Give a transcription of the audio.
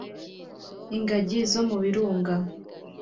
ingagi zo mu birunga